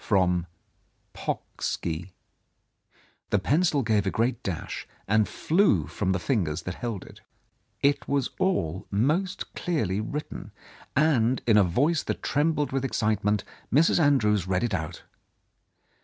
From Pocksky." The pencil gave a great dash and flew from the fingers that held it. It was all most clearly written, and in a voice that trembled with excitement, Mrs. Andrews read it out.